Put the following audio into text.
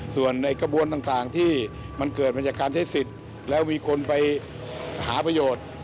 ส่วนในกระบวนต่างที่มันเกิดมาจากการใช้สิทธิ์แล้วมีคนไปหาประโยชน์